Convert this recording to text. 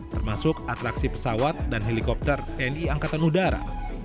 termasuk atraksi pesawat dan helikopter tni angkatan udara